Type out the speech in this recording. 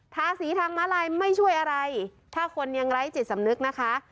ทาสีทางม้าลายไม่ช่วยอะไรถ้าคนยังไร้จิตสำนึกนะคะ